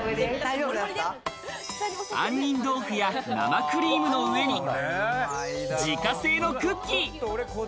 杏仁豆腐や生クリームの上に自家製のクッキー。